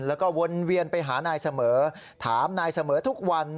แล้วก็วนเวียนไปหานายเสมอถามนายเสมอทุกวัน